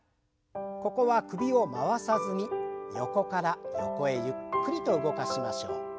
ここは首を回さずに横から横へゆっくりと動かしましょう。